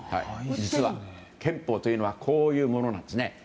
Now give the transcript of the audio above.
憲法というのはこういうものなんですね。